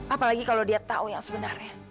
apalagi kalau dia tahu yang sebenarnya